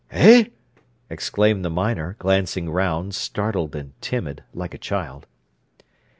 "Eh!" exclaimed the miner, glancing round, startled and timid, like a child.